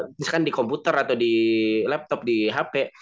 misalkan di komputer atau di laptop di hp